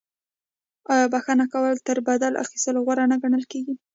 آیا بخښنه کول تر بدل اخیستلو غوره نه ګڼل کیږي؟